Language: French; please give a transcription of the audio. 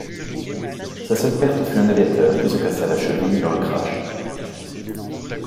Sa seule perte fut un aviateur qui se cassa la cheville dans le crash.